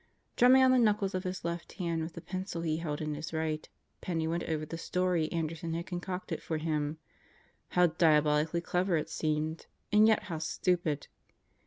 Drumming on the knuckles of his left hand with the pencil he held in his right, Penney went over the story Anderson had concocted for him. How diabolically clever it seemed. And yet, how stupid!